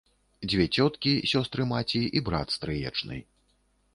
Дзве цёткі, сёстры маці, і брат стрыечны.